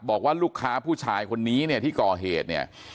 บอกว่าลูกค้าผู้ชายคนนี้เนี่ยที่ก่อเหตุเนี่ย